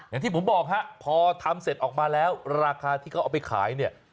อย่างที่ผมบอกฮะพอทำเสร็จออกมาแล้วราคาที่เขาเอาไปขายเนี่ย